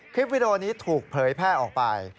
วิดีโอนี้ถูกเผยแพร่ออกไป